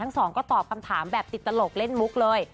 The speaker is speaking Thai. สองก็ตอบคำถามแบบติดตลกเล่นมุกเลย